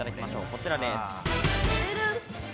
こちらです。